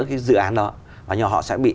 cái dự án đó và họ sẽ bị